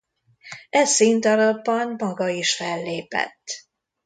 E színdarabban maga is fellépett.